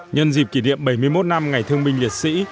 nhân dịp kỷ niệm bảy mươi một năm ngày thương minh liệt sĩ